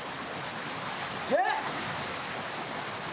えっ？